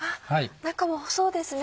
中もそうですね